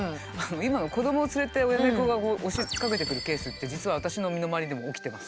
今の子どもを連れて親猫が押しかけてくるケースって実は私の身の回りでも起きてます。